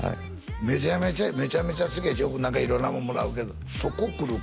めちゃめちゃめちゃめちゃ何か色んなもんもらうけどそこくるか？